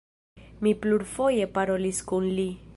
Mi plurfoje parolis kun li.